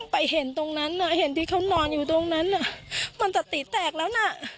เห็นตรงนั้นน่ะเห็นที่เขานอนอยู่ตรงนั้นมันจะตีแตกแล้วนะ